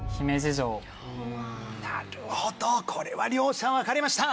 なるほどこれは両者分かれました。